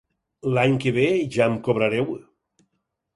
L'any que ve ja em cobrareu?